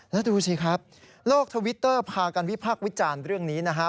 แล้วดูสิครับโลกทวิตเตอร์พากันวิพากษ์วิจารณ์เรื่องนี้นะฮะ